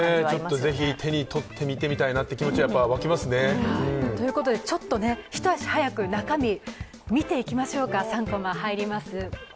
ちょっとぜひ手に取って見てみたいなという気持ちはわきますね。ということで、ちょっと一足早く中身見ていきましょうか。